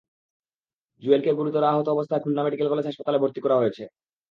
জুয়েলকে গুরুতর আহত অবস্থায় খুলনা মেডিকেল কলেজ হাসপাতালে ভর্তি করা হয়েছে।